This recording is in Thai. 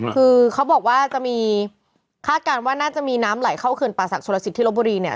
คือเขาบอกว่าจะมีคาดการณ์ว่าน่าจะมีน้ำไหลเข้าเขื่อนป่าศักดิชลสิทธิลบบุรีเนี่ย